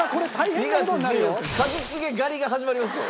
２月１４日一茂狩りが始まりますよ。